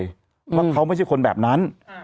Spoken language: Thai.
เพราะเขาไม่ใช่คนแบบนั้น